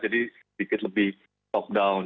jadi sedikit lebih top down